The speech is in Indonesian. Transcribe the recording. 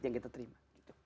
yang kita terima